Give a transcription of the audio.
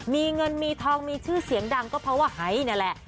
มีเงินมีทองมีชื่อเสียงดังก็เพราะว่าไฮนั่นแหละ